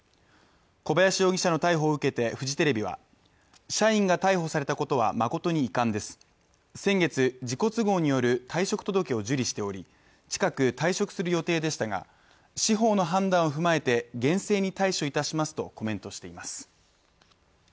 小林容疑者の逮捕を受けてフジテレビは社員が逮捕されたことは誠に遺憾です、先月、自己都合による退職届を受理しており近く、退職する予定でしたが、司法の判断を踏まえて厳正に対処いたしますとコメントしています。